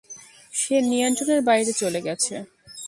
সে নিয়ন্ত্রণের বাইরে চলে গেছে।